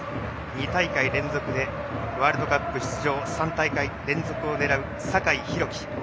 ２大会連続でワールドカップ出場３大会連続を狙う酒井宏樹。